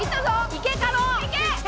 「いけ！」